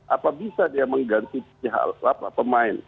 apa bisa dia mengganti pihak alat pelatih pemain